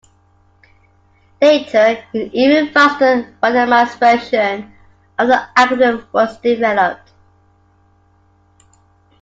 Later, an even faster randomized version of the algorithm was developed.